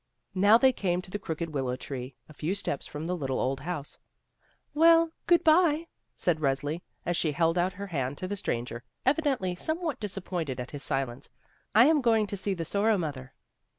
Now they came to the crooked willow tree, a few steps from the little old house. "Well, good bye," said Resli, as she held out her hand to the stranger, evidently somewhat dis appointed at his silence. "I am going to see the Sorrow mother."